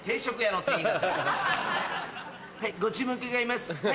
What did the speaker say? はいご注文伺います。